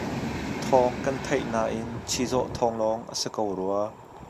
Thawng kan theih nain chizawh thawng lawng a si ko rua .